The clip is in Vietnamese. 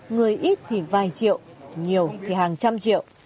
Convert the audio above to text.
người ít thì vài triệu nhiều thì hàng trăm triệu